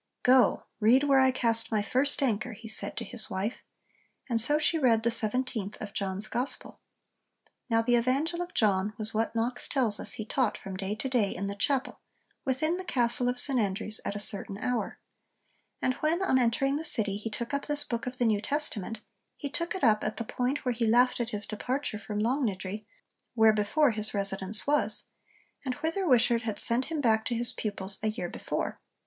'Go, read where I cast my first anchor!' he said to his wife. 'And so she read the seventeenth of John's Gospel.' Now the 'Evangel of John' was what Knox tells us he taught from day to day in the chapel, within the Castle of St Andrews, at a certain hour; and when on entering the city he took up this book of the New Testament, he took it up at the point 'where he left at his departure from Longniddry where before his residence was,' and whither Wishart had sent him back to his pupils a year before.